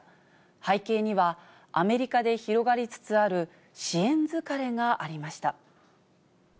背景には、アメリカで広がりつつある支援疲れがありました。